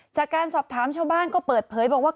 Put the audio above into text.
จากการสอบถามชาวบ้านก็เปิดเผยบอกว่า